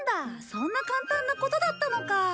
そんな簡単なことだったのか。